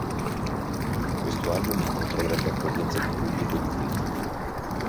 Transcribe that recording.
Questo album incontrò grande accoglienza di pubblico e di critica.